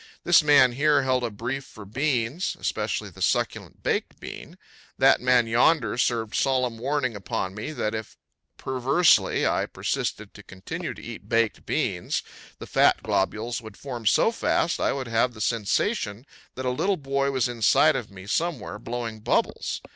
This man here held a brief for beans, especially the succulent baked bean; that man yonder served solemn warning upon me that if perversely I persisted to continue to eat baked beans the fat globules would form so fast I would have the sensation that a little boy was inside of me somewhere blowing bubbles.